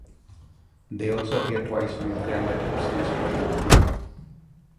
They also appeared twice on his "Granada Reports" news programme.